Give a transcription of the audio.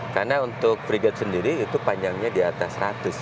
karena untuk frigate sendiri itu panjangnya di atas seratus